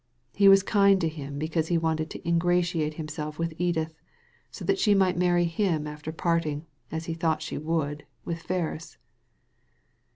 He was kind to him because he wanted to ingratiate himself with Edith : so that she might marry him after parting, as he thought she would, with Ferris."